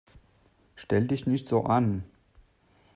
Stell dich nicht so an!